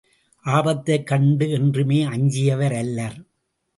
ஆபத்தைக் கண்டு என்றுமே அஞ்சியவரல்லர்.